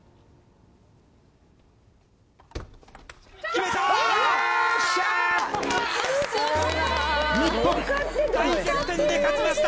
決めた！